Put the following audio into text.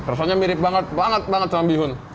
rasanya mirip banget banget sama bihun